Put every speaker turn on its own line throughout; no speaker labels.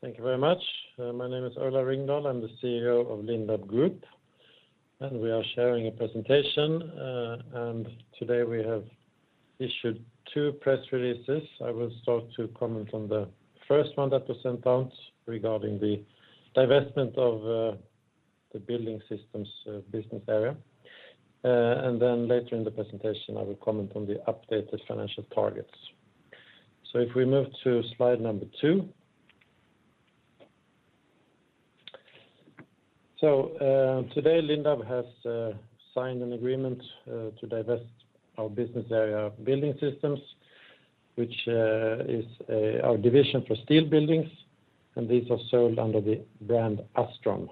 Thank you very much. My name is Ola Ringdahl. I'm the CEO of Lindab Group, and we are sharing a presentation. Today we have issued two press releases. I will start to comment on the first one that was sent out regarding the divestment of the Building Systems business area. Later in the presentation, I will comment on the updated financial targets. If we move to slide number two. Today, Lindab has signed an agreement to divest our business area Building Systems, which is our division for steel buildings, and these are sold under the brand Astron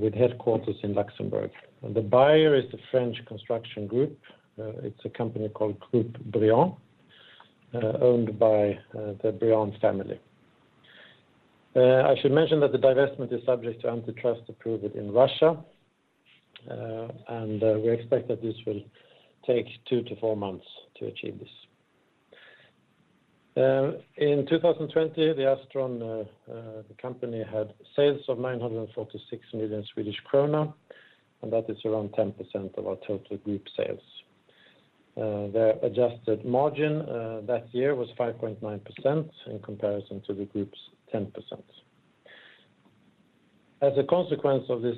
with headquarters in Luxembourg. The buyer is the French construction group. It's a company called Groupe Briand, owned by the Briand family. I should mention that the divestment is subject to antitrust approval in Russia. We expect that this will take 2-4 months to achieve this. In 2020, the Astron had sales of 946 million Swedish krona, and that is around 10% of our total group sales. Their adjusted margin that year was 5.9% in comparison to the Group's 10%. As a consequence of this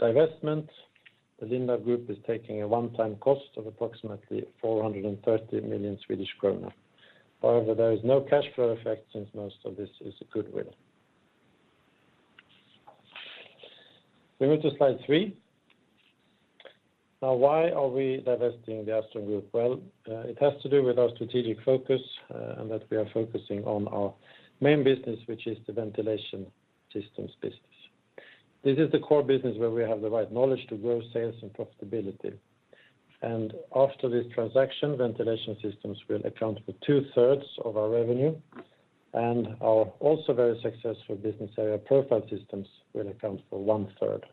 divestment, the Lindab Group is taking a one-time cost of approximately 430 million Swedish kronor. However, there is no cash flow effect since most of this is goodwill. We move to slide three. Now, why are we divesting the Astron? Well, it has to do with our strategic focus, and that we are focusing on our main business, which is the Ventilation Systems. This is the core business where we have the right knowledge to grow sales and profitability. After this transaction, Ventilation Systems will account for two-thirds of our revenue, and our also very successful business area, Profile Systems, will account for one-third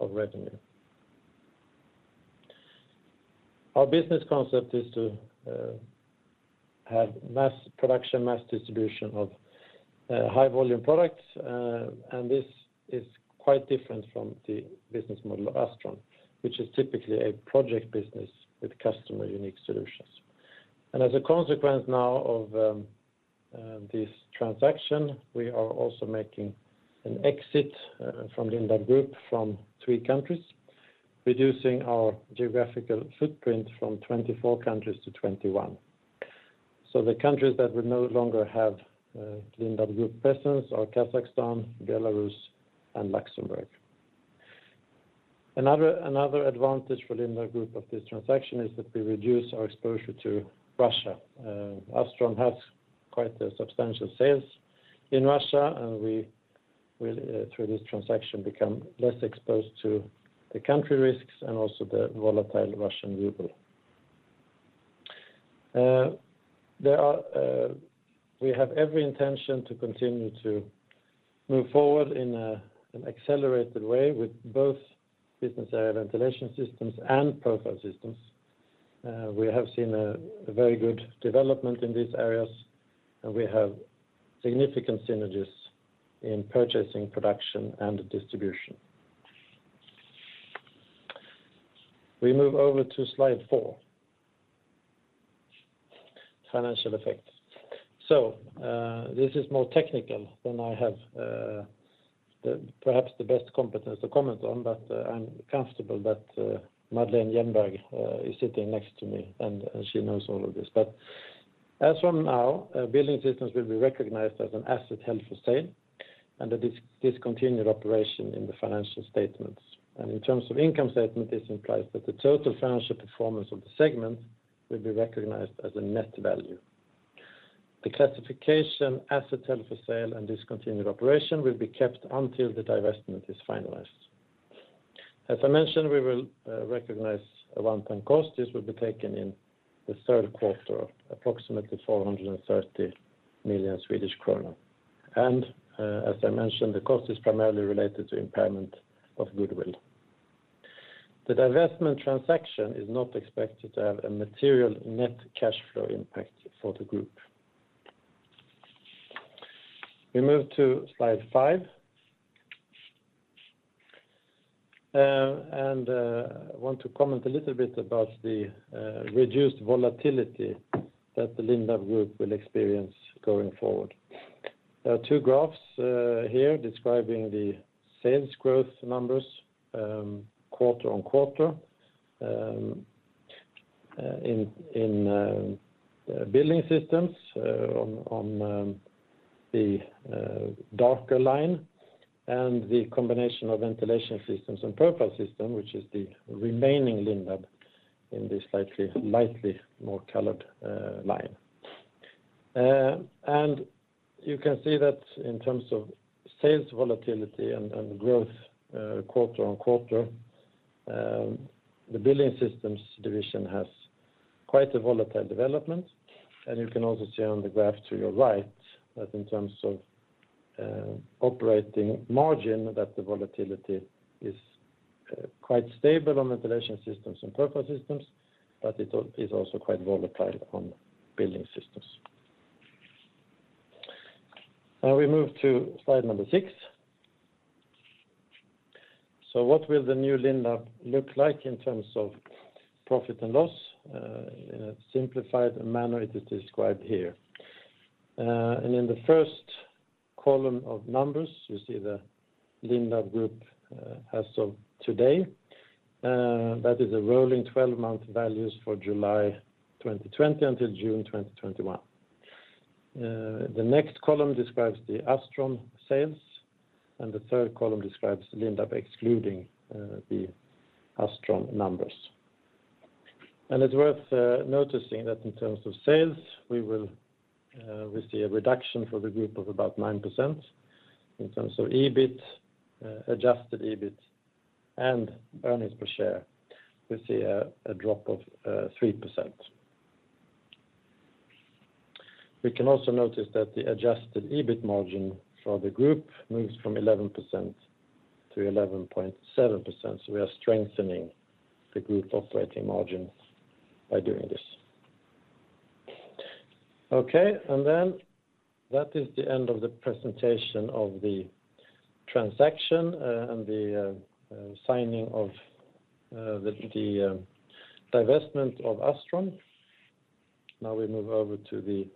of revenue. Our business concept is to have mass production, mass distribution of high-volume products, and this is quite different from the business model of Astron, which is typically a project business with customer-unique solutions. As a consequence now of this transaction, we are also making an exit from Lindab Group from three countries, reducing our geographical footprint from 24 countries to 21. The countries that will no longer have Lindab Group presence are Kazakhstan, Belarus, and Luxembourg. Another advantage for Lindab Group of this transaction is that we reduce our exposure to Russia. Astron has quite a substantial sales in Russia, and we will, through this transaction, become less exposed to the country risks and also the volatile Russian ruble. We have every intention to continue to move forward in an accelerated way with both business area Ventilation Systems and Profile Systems. We have seen a very good development in these areas, and we have significant synergies in purchasing, production, and distribution. We move over to slide four, financial effect. This is more technical than I have perhaps the best competence to comment on, but I'm comfortable that Madeleine Hjelmberg is sitting next to me, and she knows all of this. As from now, Building Systems will be recognized as an asset held for sale and a discontinued operation in the financial statements. In terms of income statement, this implies that the total financial performance of the segment will be recognized as a net value. The classification asset held for sale and discontinued operation will be kept until the divestment is finalized. As I mentioned, we will recognize a one-time cost. This will be taken in the Q3, approximately 430 million Swedish kronor. As I mentioned, the cost is primarily related to impairment of goodwill. The divestment transaction is not expected to have a material net cash flow impact for the group. We move to slide five. I want to comment a little bit about the reduced volatility that the Lindab Group will experience going forward. There are two graphs here describing the sales growth numbers quarter-on-quarter in Building Systems on the darker line, the combination of Ventilation Systems and Profile Systems, which is the remaining Lindab in this slightly lightly more colored line. You can see that in terms of sales volatility and growth quarter-on-quarter, the Building Systems division has quite a volatile development. You can also see on the graph to your right that in terms of operating margin that the volatility is quite stable on Ventilation Systems and Profile Systems, but it is also quite volatile on Building Systems. We move to slide number six. What will the new Lindab look like in terms of profit and loss? In a simplified manner it is described here. In the first column of numbers, you see the Lindab Group as of today, that is a rolling 12-month values for July 2020 until June 2021. The next column describes the Astron sales, and the third column describes Lindab excluding the Astron numbers. It's worth noticing that in terms of sales, we see a reduction for the group of about 9%. In terms of EBIT, adjusted EBIT, and earnings per share, we see a drop of 3%. We can also notice that the adjusted EBIT margin for the group moves from 11%-11.7%. We are strengthening the group operating margin by doing this. Okay. That is the end of the presentation of the transaction and the signing of the divestment of Astron. Now we move over to the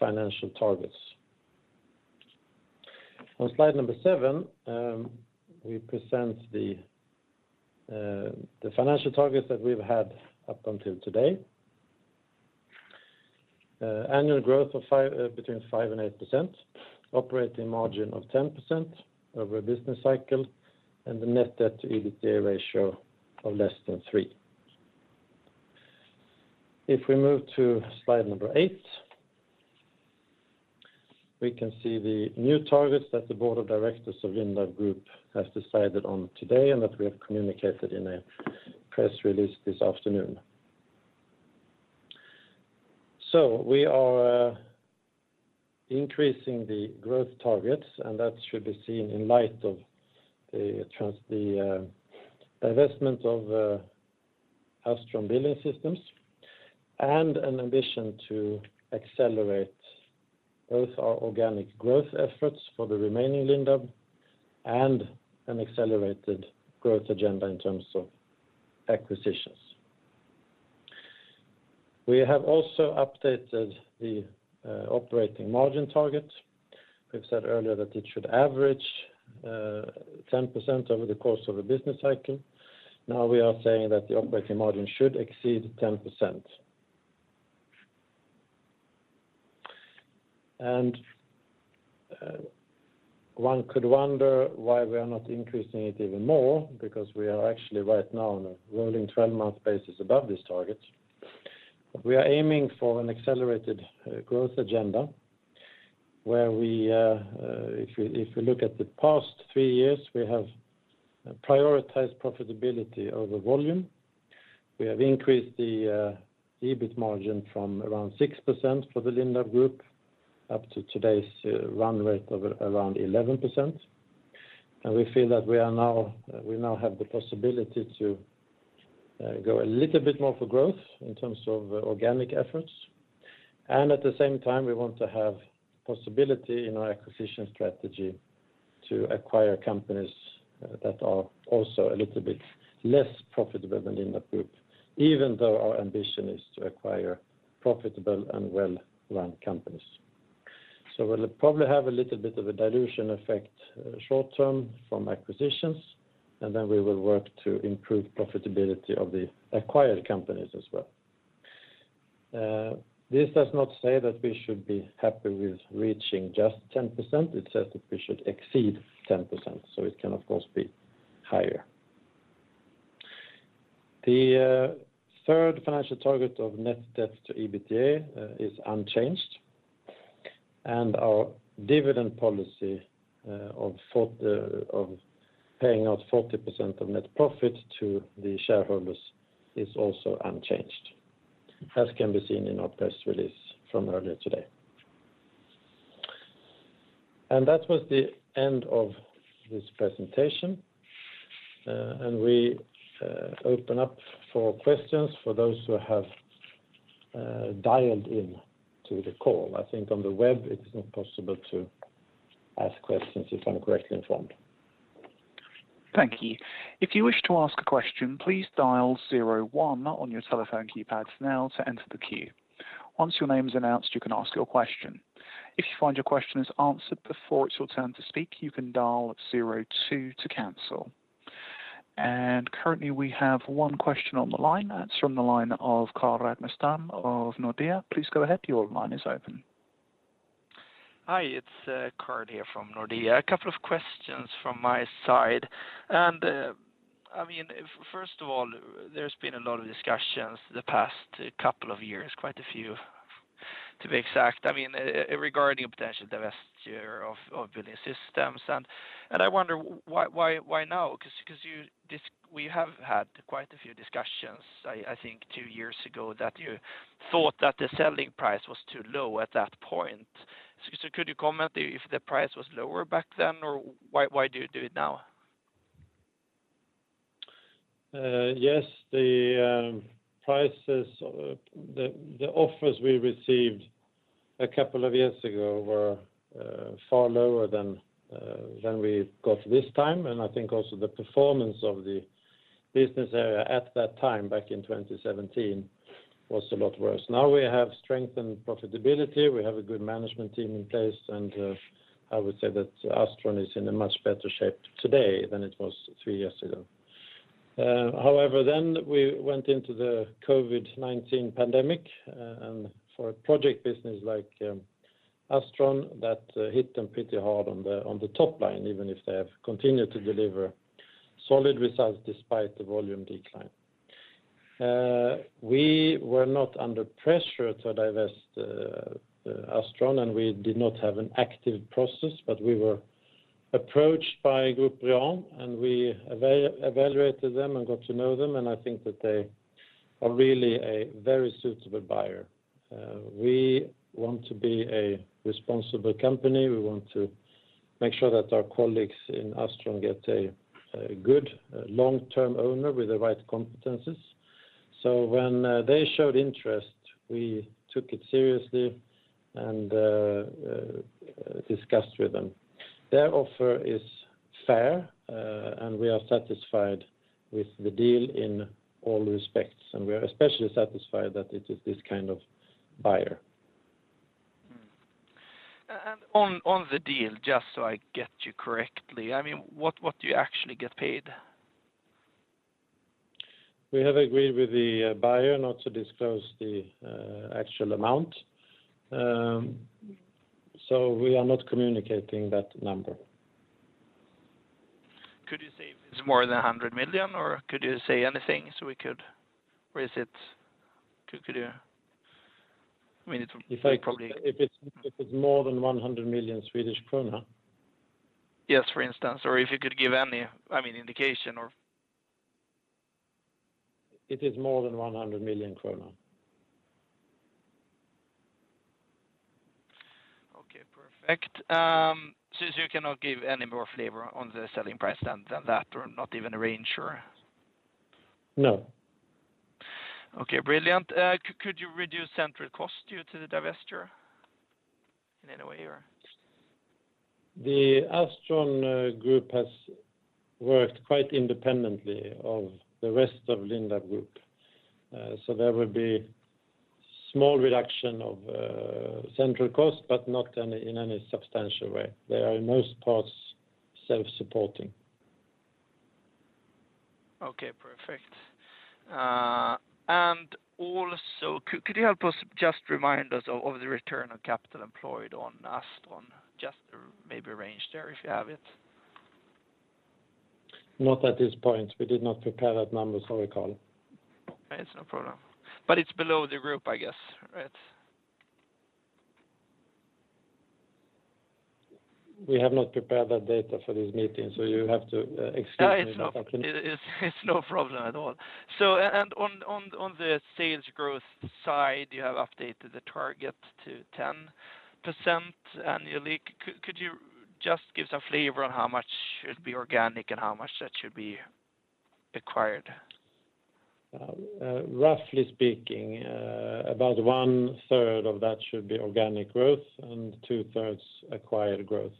financial targets. On slide number seven, we present the financial targets that we've had up until today. Annual growth of between 5% and 8%, operating margin of 10% over a business cycle, and the net debt to EBITDA ratio of less than three. If we move to slide number eight, we can see the new targets that the board of directors of Lindab Group has decided on today, and that we have communicated in a press release this afternoon. We are increasing the growth targets, and that should be seen in light of the divestment of Astron Building Systems, and an ambition to accelerate both our organic growth efforts for the remaining Lindab, and an accelerated growth agenda in terms of acquisitions. We have also updated the operating margin target. We've said earlier that it should average 10% over the course of a business cycle. We are saying that the operating margin should exceed 10%. One could wonder why we are not increasing it even more because we are actually right now on a rolling 12-month basis above this target. We are aiming for an accelerated growth agenda, where if we look at the past three years, we have prioritized profitability over volume. We have increased the EBIT margin from around 6% for the Lindab Group up to today's run rate of around 11%. We feel that we now have the possibility to go a little bit more for growth in terms of organic efforts. At the same time, we want to have possibility in our acquisition strategy to acquire companies that are also a little bit less profitable than Lindab Group, even though our ambition is to acquire profitable and well-run companies. We'll probably have a little bit of a dilution effect short term from acquisitions, and then we will work to improve profitability of the acquired companies as well. This does not say that we should be happy with reaching just 10%. It says that we should exceed 10%. It can of course be higher. The third financial target of net debt to EBITDA is unchanged, and our dividend policy of paying out 40% of net profit to the shareholders is also unchanged, as can be seen in our press release from earlier today. That was the end of this presentation, and we open up for questions for those who have dialed in to the call. I think on the web it's not possible to ask questions if I'm correctly informed.
Thank you. If you wish to ask a question, please dial zero one on your telephone keypad now to enter the queue. Once your name is announced, you can ask your question. If you find your question is answered before it's your turn to speak, you can dial zero two to cancel. Currently, we have one question on the line. That's from the line of Carl Ragnerstam of Nordea. Please go ahead. Your line is open.
Hi, it's Carl here from Nordea. A couple of questions from my side. First of all, there's been a lot of discussions the past couple of years, quite a few to be exact, regarding a potential divestiture of Building Systems, and I wonder why now? We have had quite a few discussions, I think two years ago, that you thought that the selling price was too low at that point. Could you comment if the price was lower back then, or why do it now?
Yes, the offers we received a couple of years ago were far lower than we got this time, and I think also the performance of the business area at that time, back in 2017, was a lot worse. Now we have strength and profitability. We have a good management team in place, and I would say that Astron is in a much better shape today than it was three years ago. However, we went into the COVID-19 pandemic, and for a project business like Astron, that hit them pretty hard on the top line, even if they have continued to deliver solid results despite the volume decline. We were not under pressure to divest Astron, and we did not have an active process, but we were approached by Groupe Briand, and we evaluated them and got to know them, and I think that they are really a very suitable buyer. We want to be a responsible company. We want to make sure that our colleagues in Astron get a good long-term owner with the right competencies. When they showed interest, we took it seriously and discussed with them. Their offer is fair, and we are satisfied with the deal in all respects, and we are especially satisfied that it is this kind of buyer.
On the deal, just so I get you correctly, what do you actually get paid?
We have agreed with the buyer not to disclose the actual amount. We are not communicating that number.
Could you say if it's more than 100 million, or could you say anything? Could you?
If it's more than 100 million Swedish krona?
Yes, for instance, or if you could give any indication or.
It is more than 100 million kronor.
Okay, perfect. Since you cannot give any more flavor on the selling price than that, or not even a range or?
No.
Okay, brilliant. Could you reduce central cost due to the divesture in any way or?
The Astron Group has worked quite independently of the rest of Lindab Group. There will be small reduction of central cost, but not in any substantial way. They are in most parts self-supporting.
Okay, perfect. Also, could you help us, just remind us of the return on capital employed on Astron, just maybe a range there if you have it?
Not at this point. We did not prepare that number, sorry, Carl.
It's no problem. It's below the Group, I guess, right?
We have not prepared that data for this meeting, so you have to excuse me.
It's no problem at all. On the sales growth side, you have updated the target to 10% annually. Could you just give some flavor on how much should be organic and how much that should be acquired?
Roughly speaking, about one-third of that should be organic growth and two-thirds acquired growth,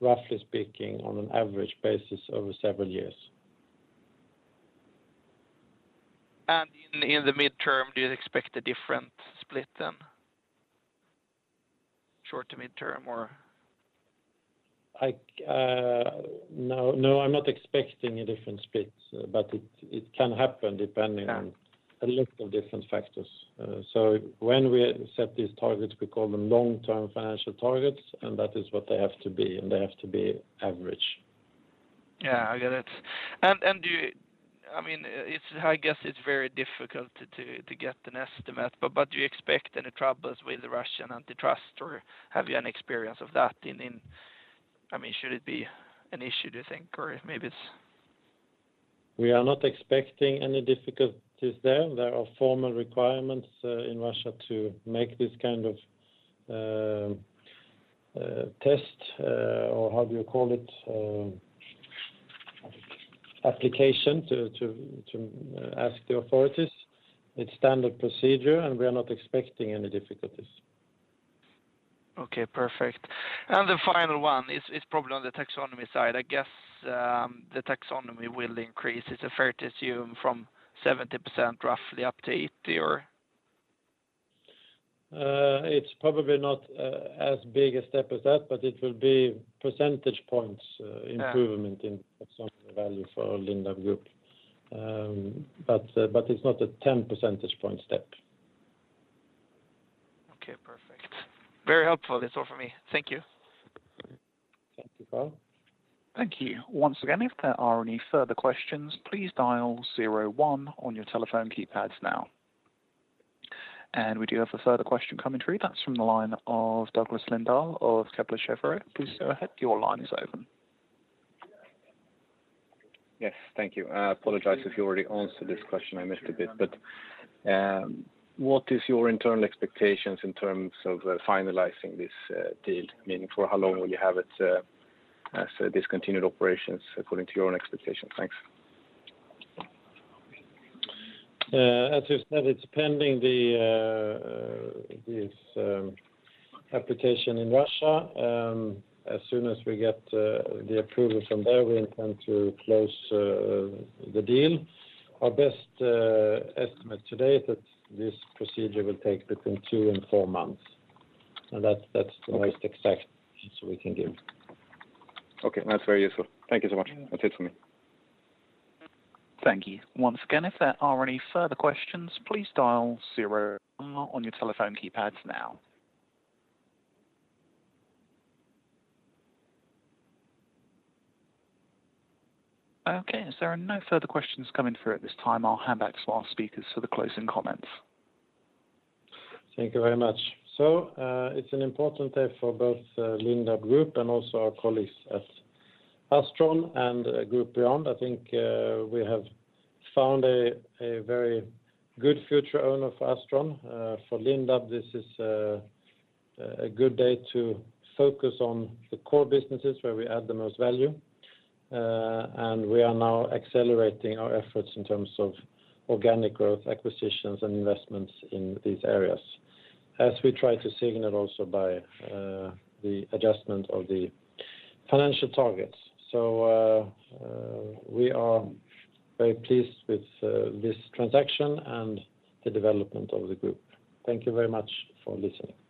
roughly speaking, on an average basis over several years.
In the midterm, do you expect a different split then? Short to midterm or?
No, I'm not expecting a different split, but it can happen depending on a lot of different factors. When we set these targets, we call them long-term financial targets, and that is what they have to be, and they have to be average.
Yeah, I get it. I guess it's very difficult to get an estimate, but do you expect any troubles with the Russian antitrust, or have you any experience of that? Should it be an issue, do you think, or maybe it's?
We are not expecting any difficulties there. There are formal requirements in Russia to make this kind of test, or how do you call it, application to ask the authorities. It's standard procedure, and we are not expecting any difficulties.
Okay, perfect. The final one is probably on the taxonomy side. I guess the taxonomy will increase. Is it fair to assume from 70% roughly up to 80%, or?
It's probably not as big a step as that, but it will be percentage points improvement in taxonomy value for Lindab Group. It's not a 10 percentage point step.
Okay, perfect. Very helpful. That's all for me. Thank you.
Thank you, Carl.
Thank you. Once again, if there are any further questions, please dial zero one on your telephone keypads now. We do have a further question coming through. That's from the line of Douglas Lindahl of Kepler Cheuvreux. Please go ahead. Your line is open.
Yes, thank you. I apologize if you already answered this question, I missed a bit. What is your internal expectations in terms of finalizing this deal? Meaning, for how long will you have it as a discontinued operations according to your own expectations? Thanks.
As we've said, it's pending this application in Russia. As soon as we get the approval from there, we intend to close the deal. Our best estimate today is that this procedure will take between two and four months. That's the most exact answer we can give.
Okay, that's very useful. Thank you so much. That's it from me.
Thank you. Once again, if there are any further questions, please dial zero on your telephone keypads now. Okay, as there are no further questions coming through at this time, I'll hand back to our speakers for the closing comments.
Thank you very much. It's an important day for both Lindab Group and also our colleagues at Astron and Groupe Briand. I think we have found a very good future owner for Astron. For Lindab, this is a good day to focus on the core businesses where we add the most value. We are now accelerating our efforts in terms of organic growth, acquisitions, and investments in these areas, as we try to signal also by the adjustment of the financial targets. We are very pleased with this transaction and the development of the group. Thank you very much for listening.